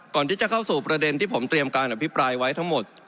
ก่อนที่จะเข้าสู่ประเด็นที่ผมเตรียมการอภิปรายไว้ทั้งหมด